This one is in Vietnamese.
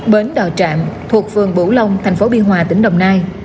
bến đò trạm thuộc vườn bủ long thành phố bi hòa tỉnh đồng nai